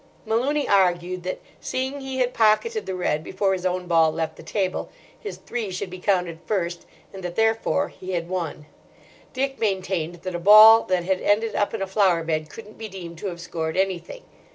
Malooney argued that, seeing he had pocketed the red before his own ball left the table, his three should be counted first, and that therefore he had won. Dick maintained that a ball that had ended up in a flower bed couldn't be deemed to have scored anything.